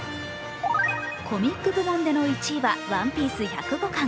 コミック部門での１位は「ＯＮＥＰＩＥＣＥ」１０５巻。